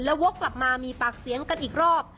วกกลับมามีปากเสียงกันอีกรอบ